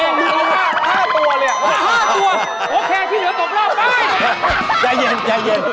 โอเคที่เหลือตกรอบไป